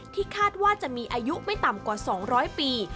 คาดว่าจะมีอายุไม่ต่ำกว่า๒๐๐ปี